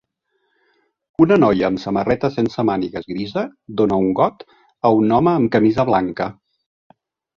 Una noia amb samarreta sense mànigues grisa dona un got a un home amb camisa blanca.